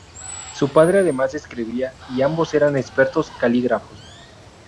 Su padre además escribía, y ambos eran expertos calígrafos.